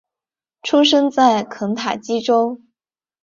出生在肯塔基州。